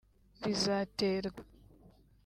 bizaterwa”